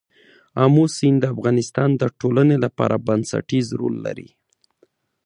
آمو سیند د افغانستان د ټولنې لپاره بنسټيز رول لري.